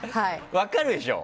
分かるでしょ？